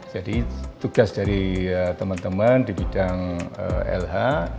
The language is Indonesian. jadi tugas dari teman teman di bidang lh